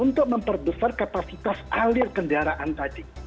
untuk memperbesar kapasitas alir kendaraan tadi